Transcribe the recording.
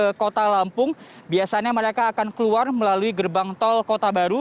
ke kota lampung biasanya mereka akan keluar melalui gerbang tol kota baru